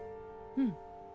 うん